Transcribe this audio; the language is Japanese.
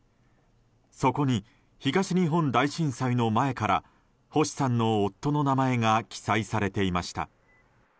そこに東日本大震災の前から星さんの夫の名前が記載されていました。